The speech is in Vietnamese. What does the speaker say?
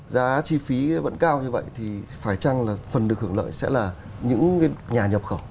giá chi phí vẫn cao như vậy thì phải chăng là phần được hưởng lợi sẽ là những nhà nhập khẩu